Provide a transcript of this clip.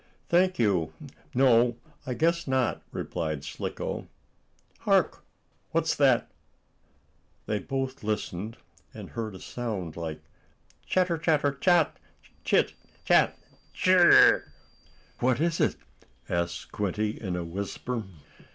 "Thank you, no. I guess not," replied Slicko. "Hark! What's that?" They both listened, and heard a sound like: "Chatter! Chatter! Chat! Chit! Chat! Chir r r r r r!" "What is it?" asked Squinty, in a whisper.